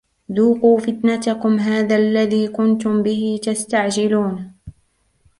ذُوقُوا فِتْنَتَكُمْ هَذَا الَّذِي كُنْتُمْ بِهِ تَسْتَعْجِلُونَ